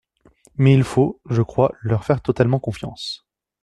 Mais il faut, je crois, leur faire totalement confiance.